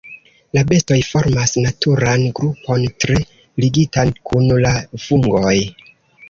La bestoj formas naturan grupon tre ligitan kun la fungoj.